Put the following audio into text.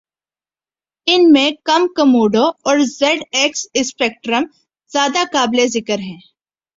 ان میں کمکموڈو اور زیڈ ایکس اسپیکٹرم زیادہ قابل ذکر ہیں